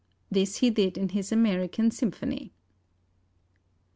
This he did in his American symphony."